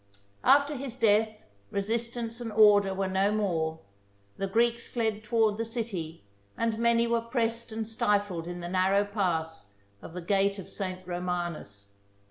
After his death, resistance and order were no more ; the Greeks fled toward the city ; and many were pressed and stifled in the narrow pass of the gate of St. Romanus.